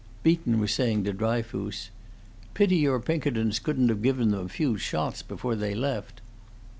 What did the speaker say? Beaton was saying to Dryfoos, "Pity your Pinkertons couldn't have given them a few shots before they left."